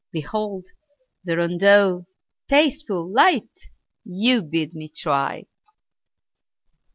Behold! the rondeau, tasteful, light, You bid me try!